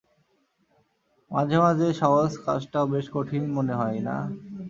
মাঝেমাঝে সহজ কাজটাও বেশ কঠিন মনে হয়, না?